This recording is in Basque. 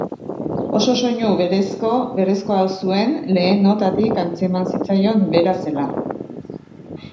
Oso soinu berezkoa zuen, lehen notatik antzematen zitzaion bera zela.